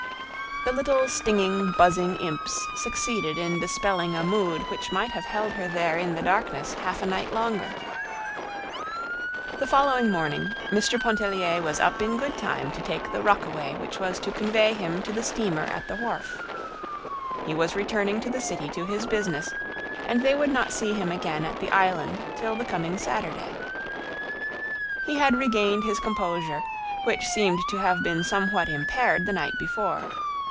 The little stinging, buzzing imps succeeded in dispelling a mood which might have held her there in the darkness half a night longer. The following morning Mr. Pontellier was up in good time to take the rockaway which was to convey him to the steamer at the wharf. He was returning to the city to his business, and they would not see him again at the Island till the coming Saturday. He had regained his composure, which seemed to have been somewhat impaired the night before.